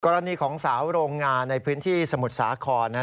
กรณีของสาวโรงงานในพื้นที่สมุทรสาครนะฮะ